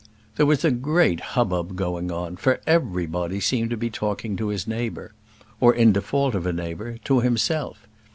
There was a great hubbub going on; for everybody seemed to be talking to his neighbour; or, in default of a neighbour, to himself.